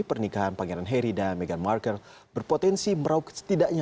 pernikahan pangeran harry dan meghan markle berpotensi merauk setidaknya